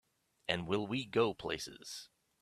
And will we go places!